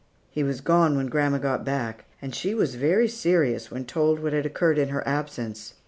He was gone when grandma got back; and she was very serious when told what had occurred in her absence.